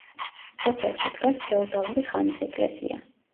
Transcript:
სოფელში დგას ფეოდალური ხანის ეკლესია.